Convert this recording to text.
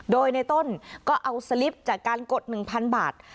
โดยในต้นก็เอาสลิปจากการกด๑๐๐๐บาท